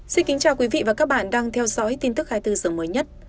xin kính chào quý vị và các bạn đang theo dõi tin tức hai mươi bốn h mới nhất